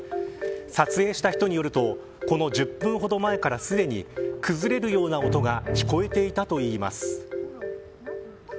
撮影した人によるとこの１０分ほど前から、すでに崩れるような音が聞こえていたといいます。